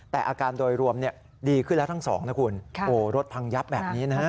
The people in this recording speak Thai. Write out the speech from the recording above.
แต่อาการโดยรวมดีขึ้นแล้วทั้งสองนะคุณโอ้โหรถพังยับแบบนี้นะฮะ